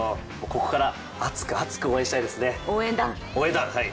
ここから熱く、厚く応援したいですよね。